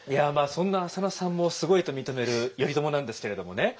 そんな淺野さんもすごいと認める頼朝なんですけれどもね